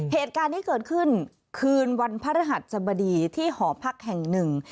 เหตุการณ์นี้เกิดขึ้นคืนวันพระรหัสสบดีที่หอพักแห่งหนึ่ง